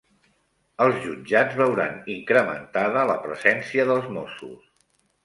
Els jutjats veuran incrementada la presència dels Mossos